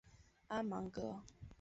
阿芒格。